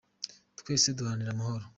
twese duharanire amahoro.